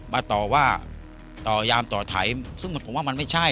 มาต่อว่าต่อยามต่อไถซึ่งผมว่ามันไม่ใช่